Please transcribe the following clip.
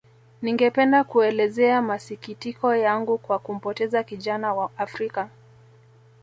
Ningependa kuelezea masikitiko yangu kwa kumpoteza kijana wa Afrika